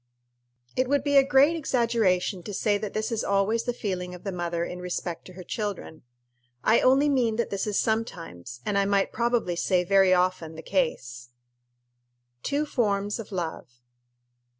It would be a great exaggeration to say that this is always the feeling of the mother in respect to her children. I only mean that this is sometimes, and I might probably say very often, the case. _Two Forms of Love.